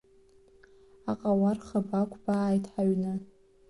Аҟауар хыб ақәбааит ҳаҩны.